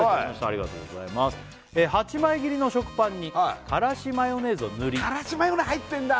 ありがとうございます８枚切りの食パンに辛子マヨネーズを塗り辛子マヨネ入ってんだ！